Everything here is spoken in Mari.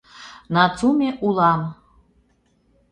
— Нацуме улам.